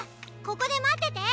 ここでまってて！